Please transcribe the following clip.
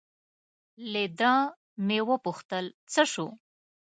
له ده مې و پوښتل: څه شو؟